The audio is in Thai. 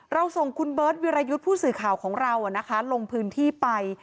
ส่งคุณเบิร์ตวิรยุทธ์ผู้สื่อข่าวของเราลงพื้นที่ไป